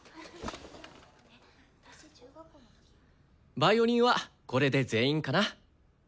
ヴァイオリンはこれで全員かな？